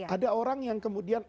ada orang yang kemudian